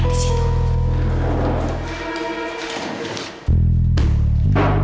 pak pindahkan pindahkan